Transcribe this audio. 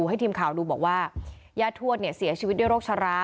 ให้ทีมข่าวดูบอกว่าย่าทวดเนี่ยเสียชีวิตด้วยโรคชะระ